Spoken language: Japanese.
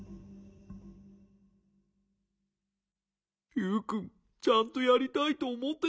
ユウくんちゃんとやりたいとおもってたんだな。